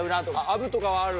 あぶとかはある？